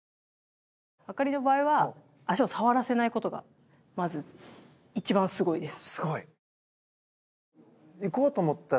朱理の場合は足を触らせないことがまず一番すごいです。